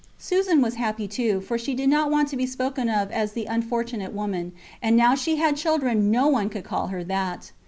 Susan was happy too, for she did not want to be spoken of as the unfortunate woman, and now she had children no one could call her that.